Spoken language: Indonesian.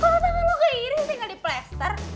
kalo tangan lu keiris tinggal diplester